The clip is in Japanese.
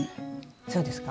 そうですか？